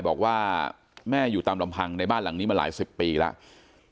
บอกว่าแม่อยู่ตามลำพังในบ้านหลังนี้มาหลายสิบปีแล้ว